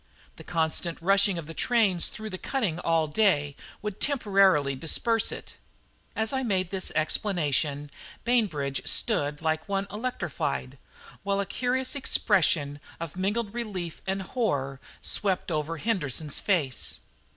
The constant rushing of the trains through the cutting all day would temporarily disperse it." As I made this explanation Bainbridge stood like one electrified, while a curious expression of mingled relief and horror swept over Henderson's face.